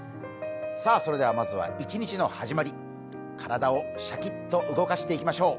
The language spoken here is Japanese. さぁ、それではまずは一日の始まり体をシャキッと動かしていきましょう。